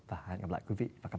và hẹn gặp lại quý vị và các bạn